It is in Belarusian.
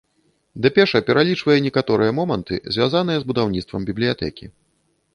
Дэпеша пералічвае некаторыя моманты, звязаныя з будаўніцтвам бібліятэкі.